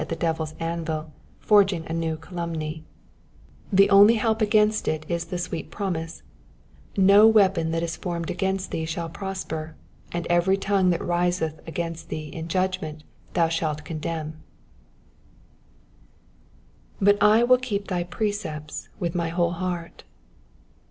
165 the devil's anvil forging a new calumny ; the only help against it is the sweet promise, *' No weapon that is formed against thee shall prosper, and every tongue that riseth against thee in judgment thou shalt condemn/' ^^But IwiU k^ep thy precepts with my whole heart.'